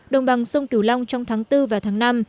đồng bằng sông kiều long trong tháng bốn và tháng năm